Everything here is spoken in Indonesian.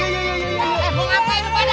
eh mau ngapain lu pada